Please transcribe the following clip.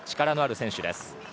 力のある選手です。